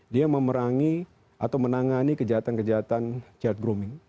dia memerangi atau menangani kejahatan kejahatan child grooming